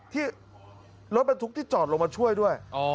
ที่รถบรรทุกที่จอดลงมาช่วยด้วย